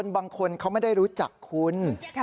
บางคนเขาไม่ได้รู้จักคุณ